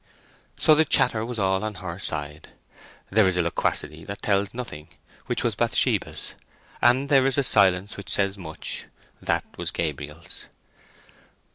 So the chatter was all on her side. There is a loquacity that tells nothing, which was Bathsheba's; and there is a silence which says much: that was Gabriel's.